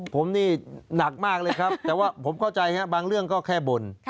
ผมนี่หนักมากเลยครับแต่ว่าผมเข้าใจครับบางเรื่องก็แค่บ่น